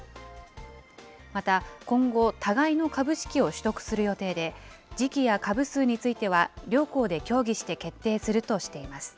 また、今後、互いの株式を取得する予定で、時期や株数については両行で協議して決定するとしています。